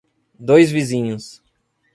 Dois Vizinhos